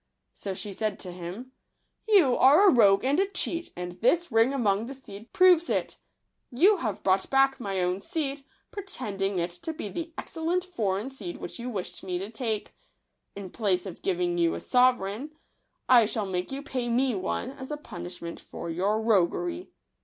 So she said to him :" You are a rogue and a cheat, and this ring among the seed proves it. You have brought back my own seed, pretending it to be the excellent foreign seed which you wished me to take* In place of giving you a sovereign, I shall make you pay me one, as a punishment for your roguery."